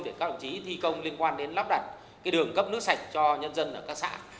để các đồng chí thi công liên quan đến lắp đặt đường cấp nước sạch cho nhân dân ở các xã